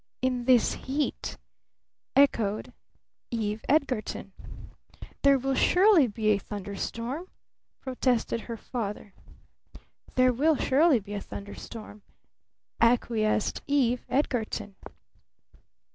"In this heat," echoed Eve Edgarton. "There will surely be a thunder storm," protested her father. "There will surely be a thunder storm," acquiesced Eve Edgarton.